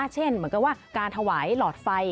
เช่นเหมือนกับว่าการถวายหลอดไฟ